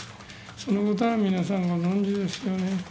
そのことは皆さんご存じですよね。